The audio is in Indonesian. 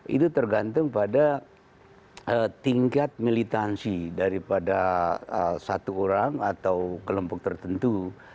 itu tergantung pada tingkat militansi daripada satu orang atau kelompok tertentu